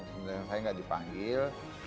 sebenarnya saya nggak dipanggil